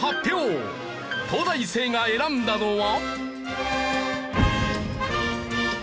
東大生が選んだのは。